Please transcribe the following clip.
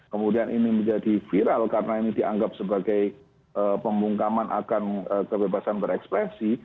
kemudian ini menjadi viral karena ini dianggap sebagai pembungkaman akan kebebasan berekspresi